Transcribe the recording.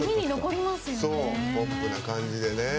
ポップな感じでね。